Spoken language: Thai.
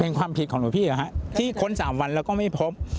เป็นความผิดของหลวงพี่ที่ค้น๓วันแล้วก็ไม่พบ